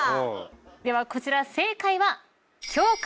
ではこちら正解は教会。